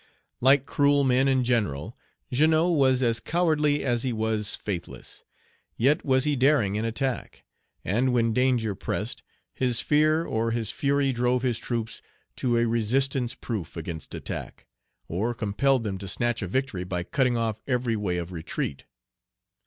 Like cruel men in general, Jeannot was as cowardly as he was faithless. Yet was he daring in attack; and when danger pressed, his fear or his fury drove his troops to a resistance proof against attack, or compelled them to snatch a victory by cutting off every way of retreat.